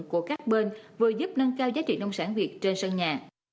của các bên vừa giúp nâng cao giá trị nông sản việt trên sân nhà